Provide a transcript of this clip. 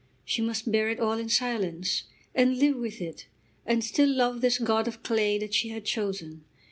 She must bear it all in silence, and live with it, and still love this god of clay that she had chosen.